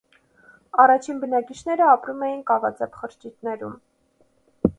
Առաջին բնակիչները ապրում էին կավածեփ խրճիթներում։